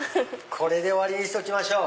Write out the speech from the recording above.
これで終わりにしときましょう！